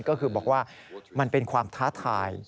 ก็คือบอกว่ามันเป็นความท้าทาย